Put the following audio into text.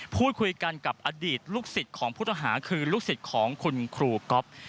พูดคุยกันกับอดีตลูกศิษย์ของผู้ต้องหาคือลูกศิษย์ของคุณครูก๊อฟ